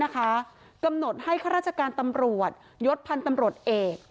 กำหนดให้ข้าราชการตำรวจยศพันธ์ตำรวจเอก